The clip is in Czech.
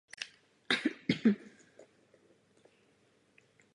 Jeho osobní rekord ho řadí na čtvrté místo v historických tabulkách.